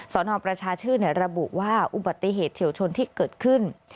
สนประชาชื่นระบุว่าอุบัติเหตุเฉียวชนที่เกิดขึ้น